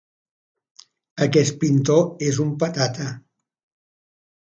Aquest pintor és un patata.